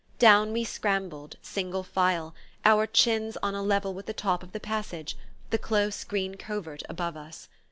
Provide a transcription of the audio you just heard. Down we scrambled, single file, our chins on a level with the top of the passage, the close green covert above us.